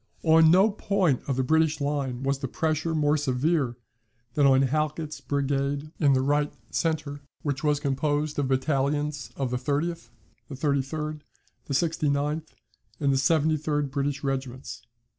On no point of the British line was the pressure more severe than on Halkett's brigade in the right centre which was composed of battalions of the 30th, the 33d, the 69th, and the 73d British regiments.